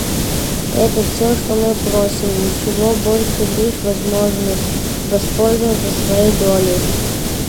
Это все, что мы просим, ничего больше — лишь возможность воспользоваться своей долей.